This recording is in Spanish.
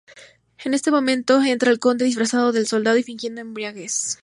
En este momento entra el Conde, disfrazado de soldado y fingiendo embriaguez.